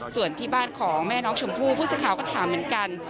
ส่วนที่บ้านของแม่น้องชมพู่ผู้สื่อข่าวก็ถามเหมือนกัน